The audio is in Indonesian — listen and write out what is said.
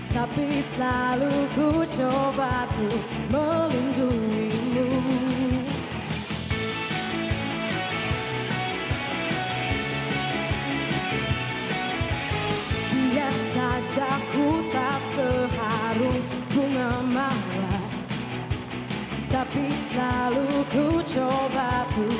tapi selalu ku coba tuh mengindahkan